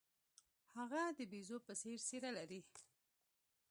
هغه د بیزو په څیر څیره لرله.